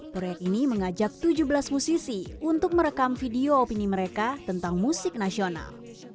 proyek ini mengajak tujuh belas musisi untuk merekam video opini mereka tentang musik nasional